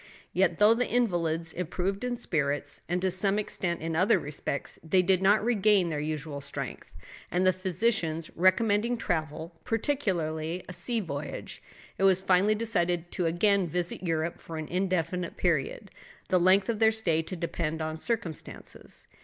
Yet, though the invalids improved in spirits, and to some extent in other respects, they did not regain their usual strength, and the physicians recommending travel, particularly a sea voyage, it was finally decided to again visit Europe for an indefinite period, the length of their stay to depend upon circumstances.